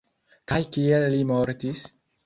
Kaj kiel li mortis?